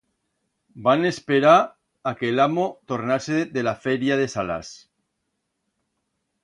Van esperar a que el amo tornase de la feria de Salás.